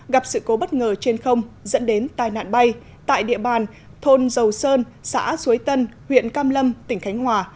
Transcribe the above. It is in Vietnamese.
gặp sự cố bất ngờ trên không dẫn đến tai nạn bay tại địa bàn thôn dầu sơn xã suối tân huyện cam lâm tỉnh khánh hòa